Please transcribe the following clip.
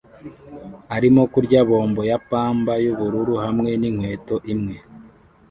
arimo kurya bombo ya pamba yubururu hamwe ninkweto imwe